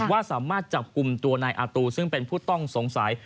ว่าสามารถจับกลุ่มตัวนายอาตูซึ่งเป็นผู้ต้องสงสัย